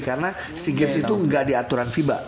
karena si games itu gak di aturan fiba